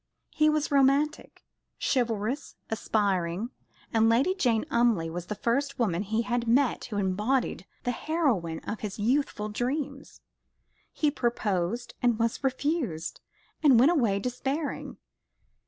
He was romantic, chivalrous, aspiring, and Lady Jane Umleigh was the first woman he had met who embodied the heroine of his youthful dreams. He proposed and was refused, and went away despairing.